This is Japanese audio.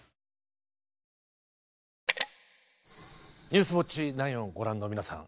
「ニュースウオッチ９」をご覧の皆さん